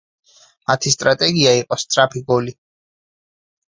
მათი სტრატეგია იყო სწრაფი გოლი.